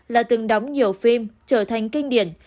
là từng đóng nhiều phim trở thành kinh điển